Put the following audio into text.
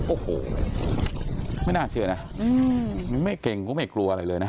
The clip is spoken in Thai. โอ้โหไม่น่าเชื่อนะมึงไม่เก่งก็ไม่กลัวอะไรเลยนะ